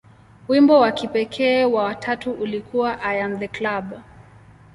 Wimbo wa kipekee wa tatu ulikuwa "I Am The Club".